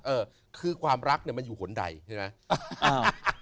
เออคือความรักเนี่ยมันอยู่หนใดใช่ไหม